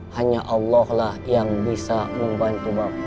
hanya allah lah yang bisa membantu bapak